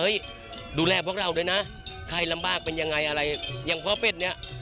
ดูแลพวกเราด้วยนะใครลำบากเป็นยังไงอะไรอย่างพ่อเป็ดเนี้ย